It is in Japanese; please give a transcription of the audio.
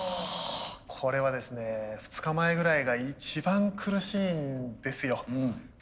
これはですね２日前ぐらいが一番苦しいんですよ。